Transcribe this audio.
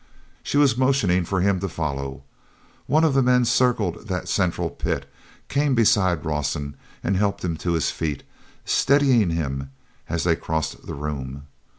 She was motioning for him to follow. One of the men circled that central pit, came beside Rawson and helped him to his feet, steadying him as they crossed the room.